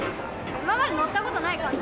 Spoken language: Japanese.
今まで乗ったことない感じ。